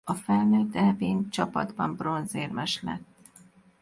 A felnőtt Eb-n csapatban bronzérmes lett.